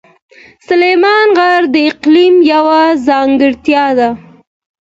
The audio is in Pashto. سلیمان غر د اقلیم یوه ځانګړتیا ده.